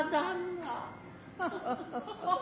ハハハハ。